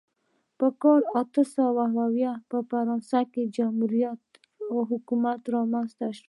په کال اته سوه اویا په فرانسه کې جمهوري حکومت رامنځته شو.